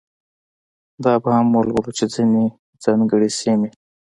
دا به هم ولولو چې ځینې ځانګړې سیمې.